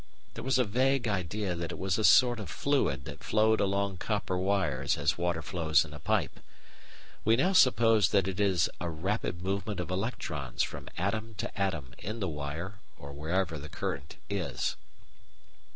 There was a vague idea that it was a sort of fluid that flowed along copper wires as water flows in a pipe. We now suppose that it is a rapid movement of electrons from atom to atom in the wire or wherever the current is.